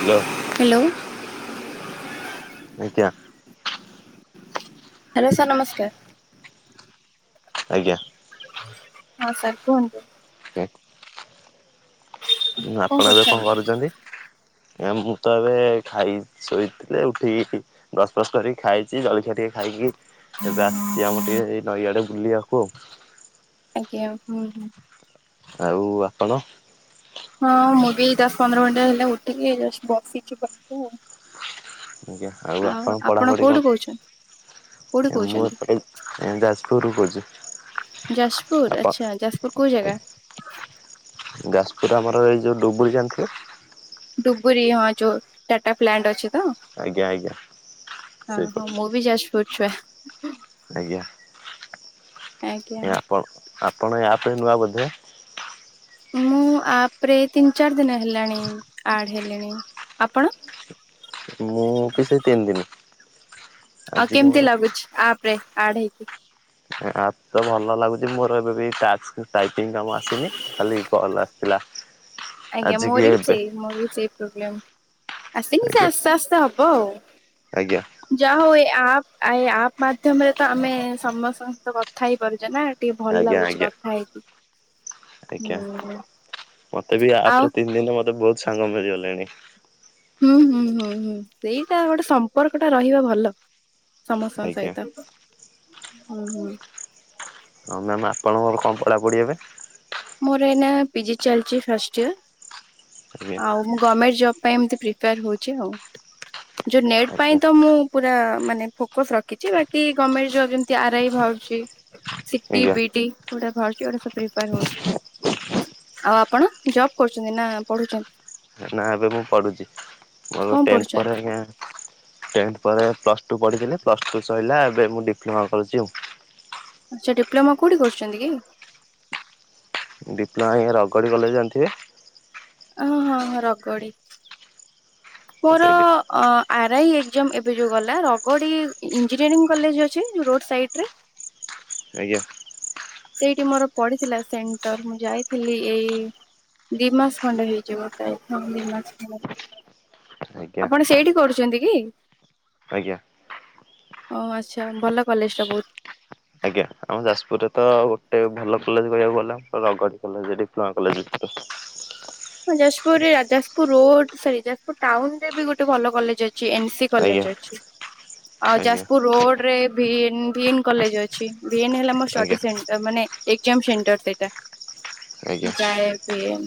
Hello. Hello. ଆଜ୍ଞା। Hello sir ନମସ୍କାର। ଆଜ୍ଞା। ହଁ ସାର୍ କୁହନ୍ତୁ। ଆପଣ ଏବେ କଣ କରୁଛନ୍ତି? ମୁଁ ତ ଏବେ ଖାଇ ଶୋଇଥିଲେ ଉଠିକି ବ୍ରଶ ଫ୍ରଶ କରି କି ଖାଇଛି ଜଳଖିଆ ଟିକେ ଖାଇକି ଏବେ ଆସିଛି ଆମର ଟିକେ ନଈଆଡେ ବୁଲିବାକୁ। ଆଜ୍ଞା ହୁଁ ହୁଁ। ଆଉ ଆପଣ? ହଁ ମୁଁ ବି ଏଇ ଦଶ ପନ୍ଦର ମିନିଟ୍ ହେଲା ଉଠିକି ଏଇ ଯଷ୍ଟ ଆଜ୍ଞା ଆଉ ଆପଣ ପଢ଼ାପଢ଼ି କଣ କୋଉଠୁ କହୁଛନ୍ତି? କୋଉଠୁ ମୁଁ କହୁଛନ୍ତି? ଏପଟେ ଯାଜପୁର ରୁ କହୁଛି। ଯାଜପୁର ଆପଣ ଆଚ୍ଛା ଯାଜପୁର କୋଉ ଜାଗା? ଯାଜପୁର ଆମର ଏଇ ଯଉ ଡୁବୁରି ଯାଣିଥିବେ? ଡ଼ୁବୁରୀ ହଁ ଯୋଉ ଟାଟା ପ୍ଲାଣ୍ଟ ଅଛି ତ ଆଜ୍ଞା ଆଜ୍ଞା ହଁ ସେଇପଟେ ମୁଁ ବି ଯାଜପୁର ଛୁଆ। ଆଜ୍ଞା ଆଜ୍ଞା ଆପଣ ଆପଣ ଏଇ ଆପ୍ ରେ ନୂଆ ବୋଧେ? ମୁଁ ଆପରେ ତିନି ଚାରି ଦିନ ହେଲାଣି ଆଡ଼ ହେଲିଣି ଆପଣ? ମୁଁ କେତେ ତିନି ଦିନି। ଆଉ କେମିତି ଲାଗୁଛି ଆପରେ ଆଡ ହେଇକି? ଆପ୍ ତ ଭଲ ଲାଗୁଛି ମୋର ଏବେ ବି ଟ୍ୟାକ୍ସ ଟାଇପିଙ୍ଗ୍ କାମ ଆସିନି। ଖାଲି କଲ୍ ଆସିଥିଲା। ଆଜ୍ଞା ଆଜି କି ମୋର ବି ଏବେ ସେହି ମୋର ବି ସେଇ ପ୍ରୋବ୍ଲେମ୍। ଆସିନି ସେ ଆଜ୍ଞା ଆସ୍ତେ ଆସ୍ତେ ହବ ଆଉ। ଆଜ୍ଞା ଯାହା ହଉ ଏ ଆପ୍ ଆପ୍ ମାଧ୍ୟମରେ ତ ଆମେ ସମସ୍ତଙ୍କ ସହ କଥା ହେଇପାରୁଛେ ନା। ଟିକେ ଭଲ ଆଜ୍ଞା ଲାଗୁଛି ଆଜ୍ଞା କଥା ହେଇକି ଆଜ୍ଞା। ହୁଁ। ମତେ ବି ଆଉ ଆପରେ ତିନି ଦିନ ମତେ ବହୁତ୍ ସାଙ୍ଗ ମିଳିଗଲେ ନି। ହୁଁ ହୁଁ ହୁଁ ହୁଁ ସେଇଟା ଗୋଟେ ସମ୍ପର୍କ ଟା ରହିବା ଭଲ। ସମସ୍ତଙ୍କ ଆଜ୍ଞା। ସହିତ ହୁଁ ହୁଁ। ହଁ ମ୍ୟାମ୍ ଆପଣଙ୍କର କଣ ପଢ଼ାପଢ଼ି ଏବେ? ମୋର ଏଇନା ପିଜି ଚାଲିଚି ଫାଷ୍ଟ୍ ଇୟର ଆଜ୍ଞା ଆଉ ମୁଁ ଗର୍ମେଣ୍ଟ ଜବ୍ ପାଇଁ ମୁଁ ତ ପ୍ରିପାୟାର ହଉଛି ଆଉ ଯଉ ନେଟ୍ ପାଇଁ ଆଜ୍ଞା ତ ମୁଁ ପୁର ମାନେ ଫୋକସ୍ ରଖିଛି ବାକି ଗମେଣ୍ଟ୍ ଜବ୍ ଯେମିତି ଆରାଇ ଭାରୁଚି। ସିଟି, ଆଜ୍ଞା। ବିଡ଼ି ଏଗୁଡା ବାହାରୁଛି ଏଗୁଡା ସବୁ ପ୍ରିପାର ହଉଛି। ଆଉ ଆପଣ ଜବ୍ କରୁଛନ୍ତି ନା ପଢୁଛନ୍ତି? ନାଁ ଏବେ ମୁଁ ପଢ଼ୁଛି ମୋର କଣ ଟେନ୍ଥ ପଢୁଛନ୍ତି? ପରେ ଆଜ୍ଞା। ଟେନ୍ଥ ପରେ ପ୍ଲସ୍ ଟୁ ପଢ଼ିଥିଲି ପ୍ଲସ ଟୁ ସଇଲା ଏବେ ମୁଁ ଡିପ୍ଲୋମା କରୁଛି ଆଉ। ଆଚ୍ଛା ଡିପ୍ଲୋମା କୋଉଠି କରୁଛନ୍ତି କି? ଡିପ୍ଲୋମା ଏଇ ରଗଡ଼ି କଲେଜ୍ ଜାଣିଥିବେ? ଓ ହଁ ହଁ ରଗଡି। ମୋର ସେଇଠି ଅ ଆରଆଇ ଏକ୍ଜାମ୍ ଏବେ ଯୋଉ ଗଲା ରଗଡି ଇଞ୍ଜିନିୟରିଙ୍ଗ୍ କଲେଜ୍ ଅଛି ଯୋଉ ରୋଡ ସାଇଟ୍ ରେ? ଆଜ୍ଞା। ସେଇଠି ମୋର ପଡିଥିଲା ସେଣ୍ଟର ମୁଁ ଯାଇଥିଲି ଏଇ ଦି ମାସ ଖଣ୍ଡେ ହେଇଯିବ [unintelligible] ଦି ମାସ ଖଣ୍ଡେ ଆଜ୍ଞା ଆପଣ ସେଇଠି କରୁଛନ୍ତି କି? ଆଜ୍ଞା। ଓ ଆଚ୍ଛା ଭଲ କଲେଜ୍ ଟା ବହୁତ୍। ଆଜ୍ଞା ଆମ ଯାଜପୁରରେ ତ ଗୋଟେ ଭଲ କଲେଜ୍ କହିବାକୁ ଗଲେ ରଗଡ଼ି କଲେଜ୍ ଡିପ୍ଲୋମା କଲେଜ ହଁ ଯାଜପୁର ରେ Jajpur road sorry Jajpur town ରେ ବି ଗୋଟେ ଭଲ କଲେଜ୍ ଅ ଏନ୍ ସି ଆଜ୍ଞା କଲେଜ୍ ଅଛି ଆଉ ଆଜ୍ଞା ଯାଜପୁର ରୋଡ ରେ V N V N college ଅ ଛି ଭି ଏନ୍ ହେଲା ମ ଆଜ୍ଞା ଷ୍ଟଡିସେଣ୍ଟର ମାନେ ଏକ୍ଜାମ୍ ସେଣ୍ଟର ସେଇଟା। ଆଜ୍ଞା ମୁଁ ଯାଏ ପିଏମ୍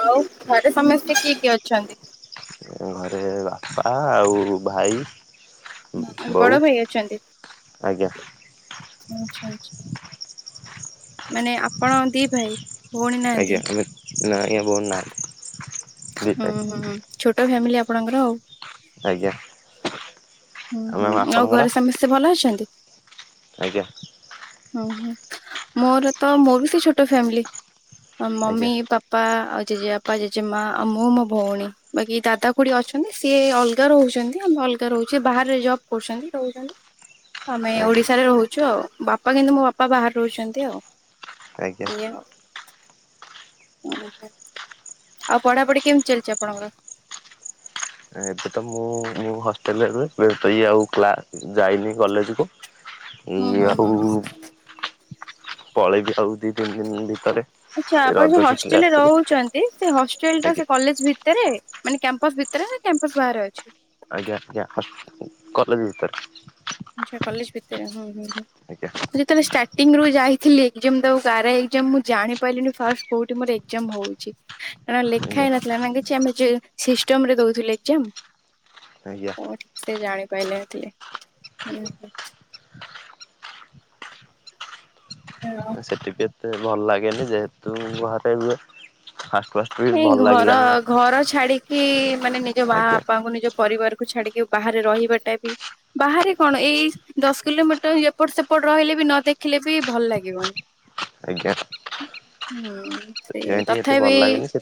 ଆଉ ଘରେ ସମସ୍ତେ କିଏ କିଏ ଅଛନ୍ତି? ଘରେ ବାପା ଆଉ ଭାଇ ହୁଁ ଆଜି ବୋଉ ବଡ ଭାଇ ଅଛନ୍ତି ଆଜ୍ଞା ଆଚ୍ଛା ଆଚ୍ଛା ମାନେ ଆପଣ ଦି ଭାଇ? ଭଉଣୀ ନାହାନ୍ତି? ଆଜ୍ଞା ଆମେ ନାଁଇ ଭଉଣୀ ନାହାନ୍ତି। ଦି ଉଁ ଭାଇ ହୁଁ ଛୋଟ ଫ୍ୟାମିଲି ଆପଣଙ୍କର ଆଉ। ଆଜ୍ଞା। ହୁଁ ମ୍ୟାମ୍ ହୁଁ ଆଉ ଆପଣଙ୍କର ଘରେ ସମସ୍ତେ ଭଲ ଅଛନ୍ତି? ଆଜ୍ଞା। ଉଁ ହୁଁ ମୋର ତ ମୋ ବି ସେଇ ଛୋଟ ଫ୍ୟାମିଲି ଆଜ୍ଞା ମମି ପା ପା ଆଉ ଜେଜେ ବାପା ଜେଜେ ମା ଆଉ ମୁଁ ମୋ ଭଉଣୀ। ବାକି ଦାଦା କୁଡି ଅଛନ୍ତି ସିଏ ଅଲଗା ରହୁଛନ୍ତି ଆମେ ଅଲଗା ରହୁ ସେ ବାହରେ ଜବ୍ କରୁଛନ୍ତି ରହୁଛନ୍ତି। ଆମେ ଆଜ୍ଞା ଓଡିଶାରେ ରହୁଛୁ ଆଉ ବାପା କିନ୍ତୁ ମୋ ବାପା ବାହାରେ ରହୁଛନ୍ତି ଆଉ। ଆଜ୍ଞା ଏୟା। ଉଁ ହୁଁ ଆଉ ପଢାପଢି କେମିତି ଚାଲିଛି ଆପଣଙ୍କର? ଏବେ ତ ମୁଁ ମୁଁ ହଷ୍ଟେଲରେ ରୁହେ [unintelligible] ଇଏ ଆଉ କ୍ଲାସ ଯାଇନି କଲେଜ୍ କୁ ହୁଁ ଇଏ ହୁଁ ଆଉ ହୁଁ ହୁଁ। ପଳେଇବି ଆଉ ଦି ତିନି ଦିନ ଭିତରେ। ଆଚ୍ଛା ଆପଣ ଯୋଉ ରଜ ଛୁଟିରେ ହଷ୍ଟେଲରେ ଆସିଥିଲି ରହୁଛ ନ୍ତି ସେ ହଷ୍ଟେଲ ଟା ଆଜ୍ଞା ସେ କଲେଜ୍ ଭିତରେ ମାନେ କ୍ୟାମ୍ପସ ଭିତରେ ନାଁ କ୍ୟାମ୍ପସ ବାହାରେ ଅଛି? ଆଜ୍ଞା ଆଜ୍ଞା ହସ କଲେଜ୍ ଭିତରେ। ଆଚ୍ଛା କଲେଜ୍ ଭିତରେ ହୁଁ ହୁଁ ହୁଁ। ଆଜ୍ଞା। ମୁଁ ଯେତେବେଳେ ଷ୍ଟାର୍ଟିଂଙ୍ଗ ରୁ ଯାଇଥିଲି ଏଜାମ୍ ଦବାକୁ ର ଆରାଇ ଏଜମ୍ ମୁଁ ଜାଣିପାରିଲିନି ଫାଷ୍ଟ କୋଉଠି ମୋର ଏକ୍ଜାମ ହଉଛି। କାରଣ ଲେଖା ଆଜ୍ଞା ହେଇ ନଥିଲା ନା କିଛି ଆମେ ଯ ସିଷ୍ଟମ ରେ ଦଉଥିଲୁ ଏଜାମ। ଆଜ୍ଞା। ମୁଁ ଠିକ ସେ ଜାଣିପାରିନଥିଲି। ହୁଁ ହ। ହେଲୋ। ସେଠିବି ଏତେ ଭଲ ଲାଗେନି ଯେହେତୁ ଘରେ ରୁହେ ଫାଷ୍ଟ ଫାଷ୍ଟ ବି ହଁ ଭଲ ଘର ଲାଗିଲାନି ମତେ ଘର ଛାଡିକି ମାନେ ନିଜ ମା ଆଜ୍ଞା ବାପାଙ୍କୁ ନିଜ ପରିବାରକୁୁ ଛାଡିକି ବାହାରେ ରହିବାଟା ବି ବାହାରେ କଣ ଏଇ ଦଶ କିଲୋମିଟର ଏପଟ ସେପଟ ରହିଲେ ବି ନ ଦେଖିଲେ ବି ଭଲ ଲାଗିବନି। ଆଜ୍ଞା। ହୁଁ ସେଇଆ ସେଥିପାଇଁ ଟିକେ ଏଠି ଭଲ ତଥାବି ଲାଗେନି ସେ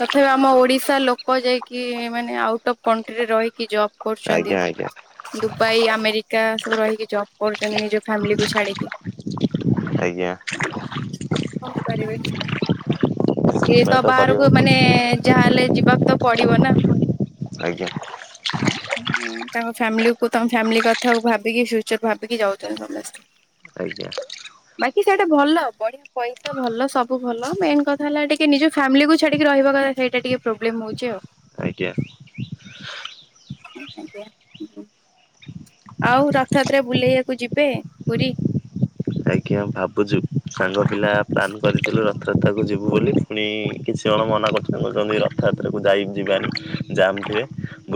ତଥାପି ଆମ ଓଡିଶା ଲୋକ ଯାଇକି ମାନେ ଆଉଟ୍ ଅଫ୍ କଣ୍ଟ୍ରିରେ ରହିକି ଜବ୍ କରୁଚନ୍ତି। ଆଜ୍ଞା ଆଜ୍ଞା ଦୁବାଇ ଆମେରିକା ସବୁ ରହିକି ଜବ୍ କରୁଚନ୍ତି ନିଜ ଫ୍ୟାମିଲିକୁ ଛାଡିକି। ଆଜ୍ଞା। କଣ କରିବେ ଇଏ ତ ସେଥିପାଇଁ ବାହାରକୁ କରିବାକୁ ମାନେ ପଡୁଛି ଯାହାହେଲେ ଯିବାକୁ ତ ପଡିବ ନା। ଆଜ୍ଞା। ହୁଁ ତାଙ୍କ ଫ୍ୟାମିଲି କୁ ତାଙ୍କ ଫ୍ୟାମିଲି କଥା କୁ ଭାବିକି ଫ୍ୟୁଚର ଭାବିକି ଯାଉଚନ୍ତି ସମସ୍ତେ। ଆଜ୍ଞା। ବାକି ସେଇଟା ଭଲ ବଢିଆ ପଇସା ଭଲ ସବୁ ଭଲ ମେନ କଥା ହେଲା ଟିକେ ନିଜ ଫାମିଲିକୁ ଛାଡିକି ରହୀବା କଥାଇଟା ସେଇଟା ଟିକେ ପ୍ରୋବ୍ଲେମ ହଉଚି ଆଉ। ଆଜ୍ଞା। ଆଉ ରଥଯାତ୍ରା ବୁଲେଇବାକୁ ଯିବେ ପୁରୀ? ଆଜ୍ଞା ଭାବୁଚୁ ସାଙ୍ଗ ପିଲା ପ୍ଲାନ୍ କରିଥିଲୁ ରଥଯାତ୍ରକୁ ଯିବୁ ବୋଲି ପୁଣି କିଛି ଜଣ ମନା କରୁଚନ୍ତି କହୁଛନ୍ତି ରଥଯାତ୍ରାକୁ ଯାଇ ଯିବାନି ଜାମ୍ ଥିବେ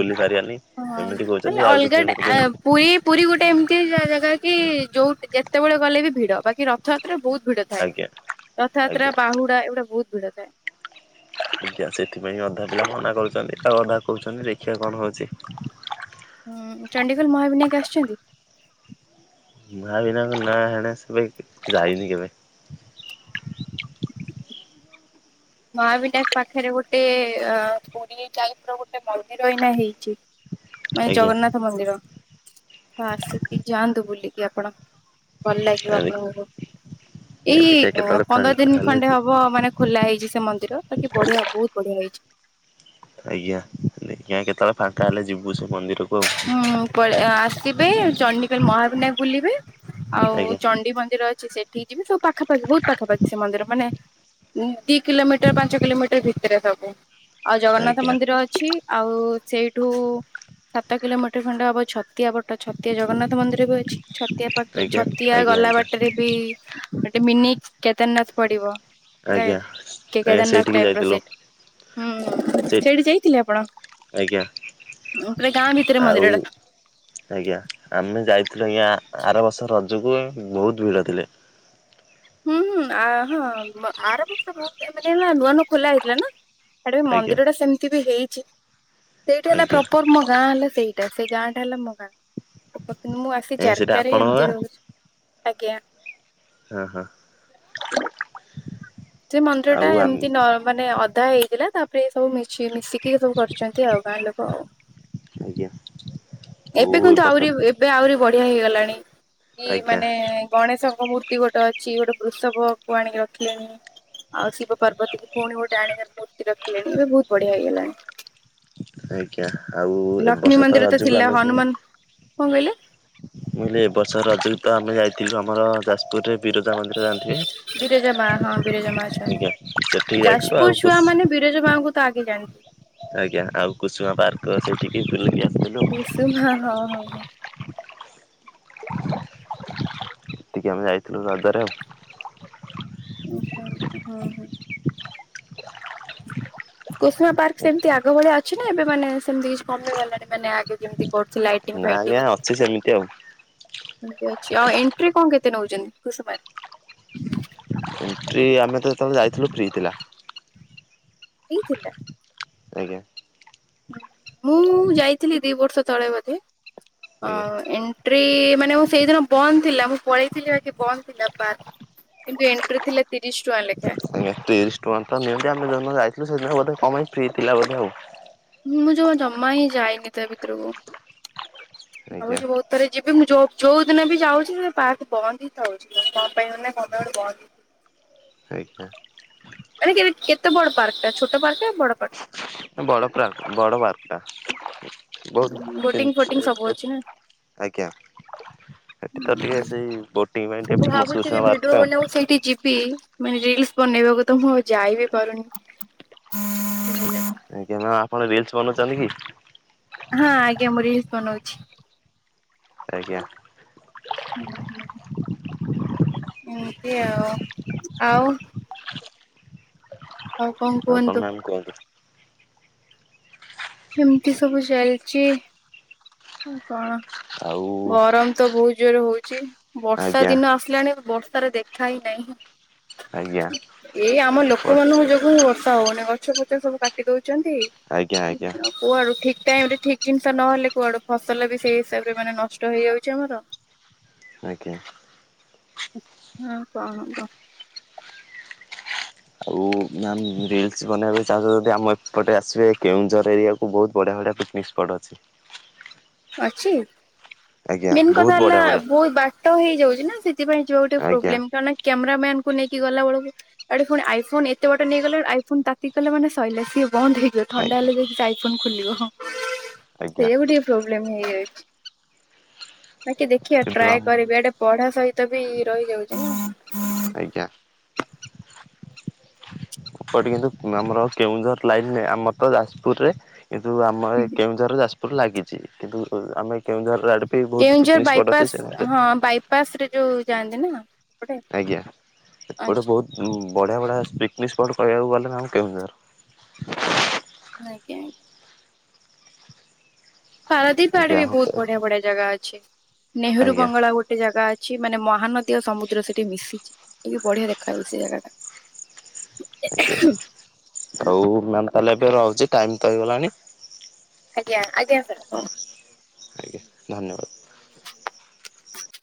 ବୁଲିପାରିବାନି। ହଁ ମାନେ ଅଲଗାଟା ପୁଇ ପୁରୀ ଗୋଟେ ଏମତିଆ ଜାଗା କି ଯୋଉ ଯେତେବେଳେ ଗଲେ ବି ଭିଡ। ବାକି ରଥଯାତ୍ରା ବହୁତ ଭିଡ ଥାଏ। ଆଜ୍ଞା ଆଜ୍ଞା ରଥଯାତ୍ରା ବାହୁଡା ଏଗୁଡା ବହୁତ ଭିଡ ଥାଏ। ଆଜ୍ଞା ସେଥିପାଇଁ ଅଧା ପିଲା ମନା କରୁଛନ୍ତି ଆଉ ଅଧା କହୁଛନ୍ତି ଦେଖିବା କଣ ହେଉଚି। ହୁଁ ଚଣ୍ଡିଖୋଲ ମହାବିନାୟକ ଆସିଚନ୍ତି? ମାଆ ବିନାଙ୍କ [unintelligible] ଯାଇନି କେବେ ମହାବିନାୟକ ପାଖରେ ଗୋଟେ ପୁରୀ ଟାଇପ ର ଗୋଟେ ମନ୍ଦିର ଏଇନା ହେଇଚି। ମାନେ ଆଜ୍ଞା ଜଗନ୍ନାଥ ମନ୍ଦିର। ହ ଆସିକି ଯାଆନ୍ତୁ ବୁଲିକି ଆପଣ ଭଲ ଲାଗିବ ଆଜ୍ଞା ଆପଣଙ୍କୁ। ଏଇ [unintelligible] ପନ୍ଦର ଫାଙ୍କା ଦିନ ହେଲେ ଖଣ୍ଡେ ହବ ମାନେ ଖୋଲା ହେଇଚି ସେ ମନ୍ଦିର ବାକି ବଢିଆ ବହୁତ ବଢିଆ ହେଇଚି। ଆଜ୍ଞା। ଦେ ଖିଆ କେତେବେଳେ ଫାଙ୍କା ହେଲେ ଯିବୁ ସେ ମନ୍ଦିରକୁ ଆଉ। ହୁଁ ପଳ ଆସିବେ ଚଣ୍ଡିକଲ ମହାବିନାୟ ବୁଲିବେ ଆଉ ଆଜ୍ଞା ଚଣ୍ଡି ମନ୍ଦିର ଅ ଛି ସେଠିକି ଯିବେ ସବ ପାଖାପାଖି ବହୁତ ପାଖାପଖି ସେନ୍ଦି ମାନେ ଦି କିଲୋମିଟର ପାଞ୍ଚ କିଲୋମିଟର ଭିତରେ ସବୁ। ଆଉ ଜଗନ୍ନାଥ ଆଜ୍ଞା। ମନ୍ଦିର ଅଛି ଆଉ ସେଇଠୁ ସାତ କିଲୋମିଟର ଖଣ୍ଡ ହବ ଛତିଆ ବଟ ଛତିଆ ଜଗନ୍ନାଥ ମନ୍ଦିର ବି ଅଛି ଛତିଆ। ଆଜ୍ଞା ଛତିଆ ଆଜ୍ଞା ଗଲା ଆଜ୍ଞା ବାଟରେ ବି ଗୋଟେ ମିନି କେଦାରନାଥ ପଡିବ। ପ୍ରାୟ ଆଜ୍ଞା କେ ଆଜ୍ଞା କେଦାରନାଥ ସେଇଠିକି ଟାଇପ ର ଯାଇଥିଲୁ ସେଇଟା। ହୁଁ ସେ ସେଇଠି ଯାଇଥିଲେି ଆପଣ? ଆଜ୍ଞା। ଗୋଟେ ଗାଁ ଭିତରେ ଆଉ ମନ୍ଦିରଟା। ଆଜ୍ଞା ଆମେ ଯାଇଥିଲୁ ଆଜ୍ଞା ଆର ବର୍ଷ ରଜକୁ ବହୁତ ଭିଡ଼ ଥିଲେ। ହୁଁ ହୁଁ ଆ ହଁ ମ ଆର ବର୍ଷ ବହୁତ ମାନେ ଏ ନୂଆ ନୂଆ ଖୋଲା ହେଇଥିଲା ନା। ଆଡ ଆଜ୍ଞା ମନ୍ଦିର ଟା ସେମିତି ବି ହେଇଚି। ସେଇଠି ହେଲା ଆଜ୍ଞା ପ୍ରପର ମୋ ଗାଁ ହେଲା ସେଇଠି। ଟା ସେଇ ଗାଁଟା ହେଲା ମୋଗାଁ ମୁଁ ଆସି ଆଜ୍ଞା ସେଇଟା ଜାରକାରେ ଆପଣଙ୍କ ଏମିତି ଗାଁ ରହୁଛି ଆଜ୍ଞା। ହଁ ହଁ। [inaudible] ସେ ମନ୍ଦିର ଆଉ ଟା ଆମ ଏମିତି ନ ମାନେ ଅଧା ହେଇଥିଲା। ତାପରେ ସବୁ ମିଶି ମିଶିକି ସବୁ କରିଛନ୍ତି ଆଉ ଗାଁ ଲୋକ ଆଉ। ଆଜ୍ଞା ଆଉ ଏବେ ଏ କିନ୍ତୁ ବର୍ଷ ଆହୁରି ଏବେ ଆହୁରି ବଢିଆ ହେଇଗଲାଣି କି ଆଜ୍ଞା ମାନେ ଗଣେଶଙ୍କ ମୂର୍ତ୍ତି ଗୋଟେ ଅଛି ଗୋଟେ ବୃଷଭକୁ ଆଣିକି ରଖିଲେଣି। ଆଉ ଶିବ ପାର୍ବତୀ କି ପୁଣି ଗୋଟେ ଆଣିକା ମୂର୍ତ୍ତି ରଖିଲେଣି ଏବେ ବହୁତ ବଢିଆ ହେଇଗଲାଣି। ଆଜ୍ଞା ଆଉ ଏ ଲକ୍ଷ୍ମୀ ବର୍ଷ ତ ମନ୍ଦିର ରଜକୁ ଥିଲା ଆମକୁ ହନୁମାନ କଣ କହିଲେ? ମୁଁ କହିଲି ଏ ବର୍ଷ ରଜକୁ ତ ଆମେ ଯାଇଥିଲୁ ଆମର ଯାଜପୁରରେ ବିରଜା ମନ୍ଦିର ଯାଣିଥିବେ? ବିରଜା ମା ହଁ ବିରଜା ମା ଅଛନ୍ତି ସେଠିକି ଯାଇଥିଲୁ ଆଉ ଯାଜପୁର ଛୁଆ କୁସ୍ ମାନେ ବିରଜା ମାଙ୍କୁ ତ ଆଗେ ଯାଣିବୁ। ଆଜ୍ଞା ଆଉ କୁସୁମା ପାର୍କ ସେଇଠିକି ବୁଲିକି ଆସିଥିଲୁ। ହ ହଁ ହଁ ହଁ। ସେଠିକି ଆମେ ଯାଇଥିଲୁ ରଜରେ ଆଉ। ଆଛା ହଁ ହଁ। କୁସୁମା ପାର୍କ ସେମିତି ଆଗ ଭଳିଆ ଅଛି ନା ଏବେ ମାନେ ସେମିତି କିଛି କମେଇ ଗଲାଣି ମାନେ ଆଗେ ଯେମିତି ପଡୁଛି ଲାଇଟିଂ ନା ଆଜ୍ଞା ଫାଇଟିଂ। ଅଛି ସେମିତି ଆଉ ଏମତି ଅଛି ଆଉ ଏଣ୍ଟ୍ରି କଣ କେତେ ନଉଛନ୍ତି କୁସୁପାର୍କ? ଆରେ ଆମେ ତ ଯେତେବେଳେ ଯାଇଥିଲୁ ଫ୍ରି ଥିଲା। ଫ୍ରି ଥିଲା। ଆଜ୍ଞା। ମୁଁ ଯାଇଥିଲି ଦି ବର୍ଷ ତଳେବୋଧେ। ଆଜ୍ଞା ହଁ ଏଣ୍ଟ୍ରି ମାନେ ମୁଁ ସେଇଦିନ ବନ୍ଦ ଥିଲା ମୁଁ ପଳେଇଥିଲି ବାକି ବନ୍ଦ ଥିଲା ପାର୍କ। କିନ୍ତୁ ଏଣ୍ଟ୍ରି ଥିଲା ତିରିଶ ଟଙ୍କା ଲେଖା। ତିରିଶ ଟଙ୍କାତ ନିଅନ୍ତୀ ଆମେ ଯଉଦିନ ଯାଇଥିଲୁ ସେଦିନ ବୋଧେ କପାଇଁ ଫ୍ରି ଥିଲା ବୋଧେ ଆଉ। ମୁଁ ଯୋଉ ଜମା ହିଁ ଯାଇନି ତା ଭିତରକୁ ଆଜ୍ଞା ଭାବୁଛି ବହୁତ ପରେ ଯିବି ମୁଁ ଜ ଯୋଉ ଦିନ ବି ଯାଉଛି ସେ ପାର୍କ ବନ୍ଦ ହିଁ ଥାଉଛି କଣ ପାଇଁ ମାନେ ମନେ ମନେ ବନ୍ଦ ହେଇପା। ଆରେ କେ କେତେ ବଡ ପାର୍କଟା ଛୋଟ ପାର୍କ ବଡ ପାର୍କ? ବଡ ପ୍ରାକ୍ ବଡ ପାର୍କ ଟା। ବହୁତ ବୋଟିଂ ଫୋଟିଂ ସବୁ ଚ ଅଛି ନା। [inaudible] ଆଜ୍ଞା। ଏଠି ତ ଟିକେ ସେଇ ବୋଟିଂ ପାଇଁ ମୁଁ ଟିକେ ମସ ଭାବୁଛି ଭିଡିଓ ପାର୍କ ଆଉ ବନେଇବାକୁ ସେଇଠି [unintelligible] କି ଯିବି ମାନେ ରିଲସ ବନେଇବାକୁ ତ ମୁଁ ଆଉ ଯାଇ ବିି ପାରୁନି। ଆଜ୍ଞା ମାମ ଆପଣ ରିଲସ ବନଉ ଛନ୍ତିକି? ହଁ ଆଜ୍ଞା ମୁଁ ରିଲିସ ବନଉଛି। ଆଜ୍ଞା। ହୁଁ ହୁଁ। ଏମିତି ଆଉ ଆଉ। ଆଉ ଆଉ କଣ କୁହନ୍ତୁ ମାମ କୁହନ୍ତୁ। ଏମିତି ସବୁ ଚାଲିଛି ଆଉ କଣ? ଆଉ ଗରମ ତ ବହୁତ ଜୋରେ ହଉଛି ବର୍ଷା ଆଜ୍ଞା ଆଜ୍ଞା ଦିନ ଆସିଲାଣି ବର୍ଷାର ଦେଖ - ଦେଖା ହିଁ ନାହିଁ ଆଜ୍ଞା ଏଇ ଆମ ଲୋକମାନଙ୍କ ଯୋଗୁଁ ବର୍ଷା ହଉନି। ଗଛ ଫଛ ସବୁ କାଟି ଦଉଛନ୍ତି। ଆଜ୍ଞା କୁଆଡୁ ଠିକ ଟାଇମ ରେ ଠିକ ଜିନିଷ ନହଲେ କୁଆଡୁ ଫସଲ ବି ସେଇ ହିସାବରେ ମାନେ ନଷ୍ଟ ହେଇଯାଉଛି ଆମର। ଆଜ୍ଞା। ହଁ କଣ କ? ଆଉ ମାମ ରିଲସ ବନେଇବାକୁ ଚାହୁଁଛ ଯଦି ଆମ ଏପଟେ ଆସିବେ କେଉଁଝର ଏରିଆକୁ ବହୁତ ବଢିଆ ବଢିଆ ପିକ ବି ଷ୍ପଟଅଛି। ଅଛି ଆଜ୍ଞା ମେନ୍ ବହୁତ କଥା ହେଲା ବଢ଼ିଆ ବଢ଼ିଆ ବହୁତ ବାଟ ଫଟ ହେଇଯାଉଛି ନା ସେଥିପାଇଁ ଯିବା ଗୋଟେ ଆଜ୍ଞା ପ୍ରୋବ୍ଲେମ କାରଣ କ୍ୟାମେରା ମ୍ୟାନ୍ କୁ ନେଇକି ଗଲା ବେଳକୁ ଇଆଡେ ଫୁଣି ଆଇ ଫୋନ ଏତେ ବାଟ ନେଇଗଲାଳୁ ଆଇଫୋନ ତାତିଗଲେ ମାନେ ସଇଲା ସିଏ ବନ୍ଦ ହେଇଯିବ ଆଜ୍ଞା ଥଣ୍ଡା ହେଲେ ଯାଇକି ଫନ ଖୋଲିବ। ଆଜ୍ଞା। ସେଇଆ କୁ ଟିକେ ପ୍ରୋବ୍ଲେମ ହେଇଯାଉଛି। ବାକି ଦେଖିବା କିନ୍ତୁ ଟ୍ରାଏ ଆମ କରିବି ଏଡେ ପଢା ସହିତ ବି ରହିଯାଉଛି ନା। ଆଜ୍ଞା। ଏପଟେ କିନ୍ତୁ ଆମର କେଉଁଝର ଲାଇନରେ ଆମର ତ ଯାଜପୁରରେ କିନ୍ତୁ ଆମର କେଉଁ ଝର ଯାଜପୁରରେ ଲାଗିଛି କିନ୍ତୁ ଆମେ କେଉଁଝର ଆଡେ ବହୁତ ପିକନିକ ସ୍ପଟ ଅଛି। [unintelligible] ପାସ ରେ ଯୋଉ ଯାଆନ୍ତି ନା? ସେପଟେ ଆଜ୍ଞା ଏପଟେ ଆଚ୍ଛା ବହୁତ ବଢ଼ିଆ ବଢ଼ିଆ ପିକ୍ନିକ୍ ସ୍ପଟ୍ କହିବାକୁ ଗଲେ ନା ଆମ କେଉଁଝର। ଆଜ୍ଞା ଆଜ୍ଞା। ପାରାଦୀପ ଆଡେ ଆଜ୍ଞା ବି ହଁ ତ ବହୁତ ବଢିଆ ବଢିଆ ଜାଗା ଅଛି ନେହେରୁ ଆଜ୍ଞା ବଙ୍ଗଳା ଗୋଟେ ଜାଗା ଅ ଅଛି ମାନେ ମହାନଦୀ ଓ ସମୁଦ୍ର ସେଠି ମିଶିଛି ବି ବଢିଆ ଦେଖାହଉଚି ସେ ଜାଗା ଟା। ଆଜ୍ଞା [unintelligible] ହଉ ମ୍ୟାାମ ତାହେଲେ ଏବେ ରହୁଛି ଟାଇମ ତ ହେଇଗଲାଣି। ଆଜ୍ଞା ଆଜ୍ଞା ସାର୍ ହଉ। ଆଜ୍ଞା ଧନ୍ୟବାଦ।